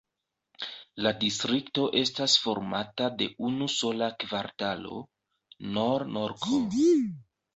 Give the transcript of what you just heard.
La distrikto estas formata de unu sola kvartalo: Nor-Norko.